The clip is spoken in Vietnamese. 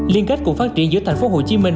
liên kết của phát triển giữa thành phố hồ chí minh